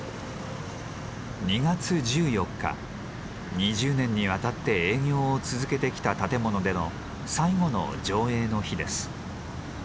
２０年にわたって営業を続けてきた建物での最後の上映の日です。